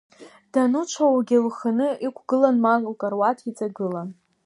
Даныцәоугьы, лханы иқәгылан, ма лкаруаҭ иҵагылан.